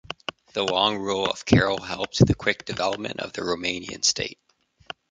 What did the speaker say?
The long rule of Carol helped the quick development of the Romanian state.